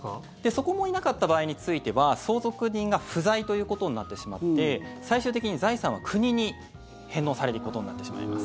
そこもいなかった場合については相続人が不在ということになってしまって最終的に財産は国に返納されることになってしまいます。